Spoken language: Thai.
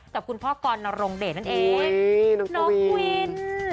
กับคุณพ่อกรนรงเดชนั่นเองน้องกวิน